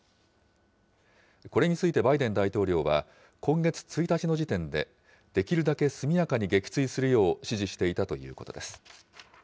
これについてバイデン大統領は、今月１日の時点で、できるだけ速やかに撃墜するよう指示していたということです。